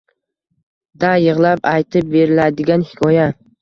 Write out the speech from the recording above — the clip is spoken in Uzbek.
Da yig’lab aytib beriladigan hikoya